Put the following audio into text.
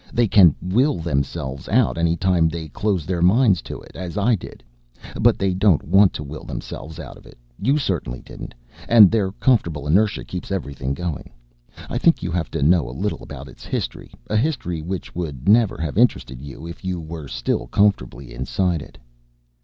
They can will themselves out any time they close their minds to it, as I did. But they don't want to will themselves out of it you certainly didn't and their comfortable inertia keeps everything going. I think you have to know a little about its history, a history which never would have interested you if you were still comfortably inside it."